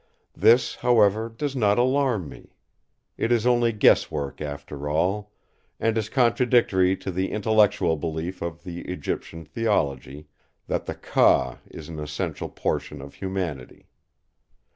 This, however, does not alarm me. It is only guess work after all, and is contradictory to the intellectual belief of the Egyptian theology, that the 'Ka' is an essential portion of humanity."